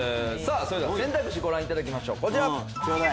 それでは選択肢ご覧いただきましょうこちら。